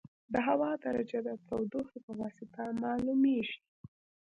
د هوا درجه د تودوخې په واسطه معلومېږي.